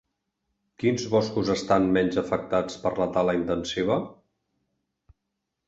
Quins boscos estan menys afectats per la tala intensiva?